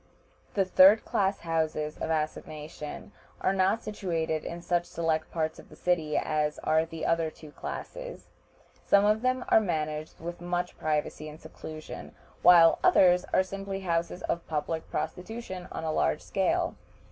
The third class houses of assignation are not situated in such select parts of the city as are the other two classes. Some of them are managed with much privacy and seclusion, while others are simply houses of public prostitution on a large scale.